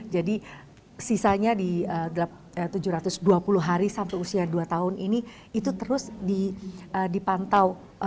jadi sisanya di tujuh ratus dua puluh hari sampai usia dua tahun ini itu terus dipantau